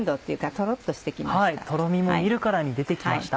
トロミも見るからに出て来ました。